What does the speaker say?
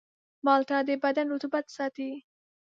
مالټه د بدن رطوبت ساتي.